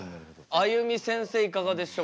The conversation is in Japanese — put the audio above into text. あゆみせんせいいかがでしょう？